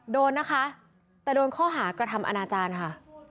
โดนนะคะแต่โดนข้อหากระทำอนาจารย์ค่ะ